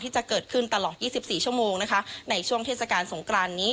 จะเกิดขึ้นตลอด๒๔ชั่วโมงนะคะในช่วงเทศกาลสงกรานนี้